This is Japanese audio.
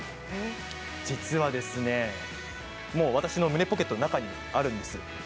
実は私の胸ポケットの中にあるんです。